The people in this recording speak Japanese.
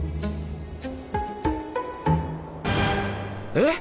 えっ！？